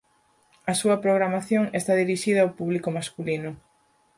A súa programación está dirixida ó público masculino.